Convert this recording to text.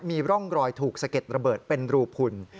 มีร่องรอยถูกสะเก็ดระเบิดเป็นรูพุน